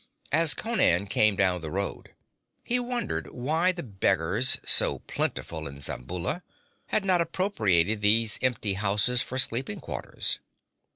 As Conan came down the road he wondered why the beggars, so plentiful in Zamboula, had not appropriated these empty houses for sleeping quarters.